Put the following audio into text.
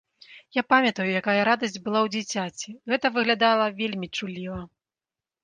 Я памятаю, якая радасць была ў дзіцяці, гэта выглядала вельмі чулліва.